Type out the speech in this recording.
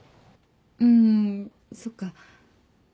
うんそっか。